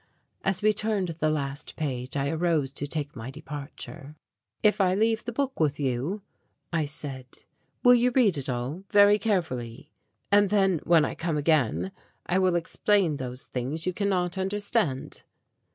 As we turned the last page I arose to take my departure. "If I leave the book with you," I said, "will you read it all, very carefully? And then when I come again I will explain those things you can not understand."